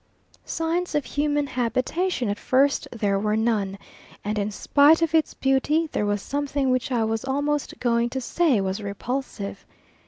Sign of human habitation at first there was none; and in spite of its beauty, there was something which I was almost going to say was repulsive.